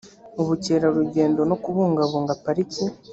ubukerarugendo no kubungabunga pariki